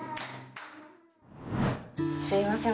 すいません。